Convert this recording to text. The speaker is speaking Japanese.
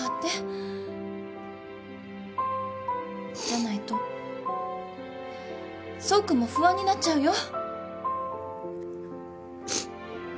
じゃないと爽君も不安になっちゃうよ。